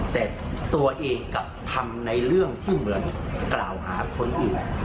แต่ตัวเองกลับทำในเรื่องที่เหมือนกล่าวหาคนอื่น